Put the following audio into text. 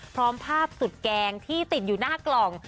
พร้อมภาพสุดแกงที่ติดอยู่หน้ากล่อง